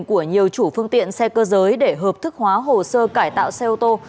của nhiều chủ phương tiện xe cơ giới để hợp thức hóa hồ sơ cải tạo xe ô tô